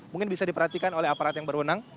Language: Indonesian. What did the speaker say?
mungkin bisa diperhatikan oleh aparat yang berwenang